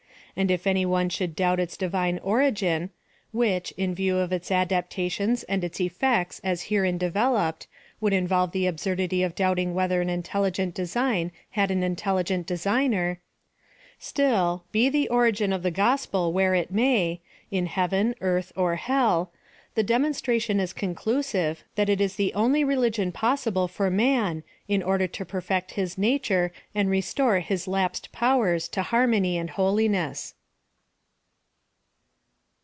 And if any one should doubt its divine origin (which, in view of its adap tations and its effects as herein developed, would involve the absurdity of doubting whether an intel ligent design had an intelligent designer), still, be the origin of the Gospel where it may, in heaven, earth, or hell, the demonstration is conclusive, that it is the only religion possible for man, in order to perfect his n«,ture, and restore his lapsed powers to harmony and holiness.